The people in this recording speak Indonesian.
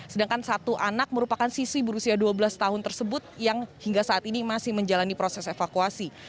sedangkan satu anak merupakan sisi berusia dua belas tahun tersebut yang hingga saat ini masih menjalani proses evakuasi